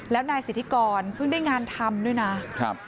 แล้วนายสิทธิกรเพิ่งได้งานทำด้วยนะครับ